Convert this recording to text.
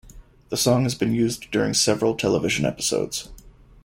The song has been used during several television episodes.